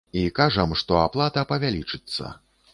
І кажам, што аплата павялічыцца.